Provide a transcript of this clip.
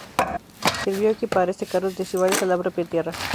Servio equipara este carro de Cibeles a la propia Tierra.